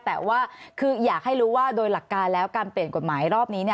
แต่ว่าคืออยากให้รู้ว่าโดยหลักการแล้วการเปลี่ยนกฎหมายรอบนี้